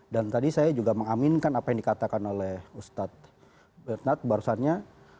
dan tadi saya juga mengaminkan apa yang dikatakan oleh ustadz bernard barusannya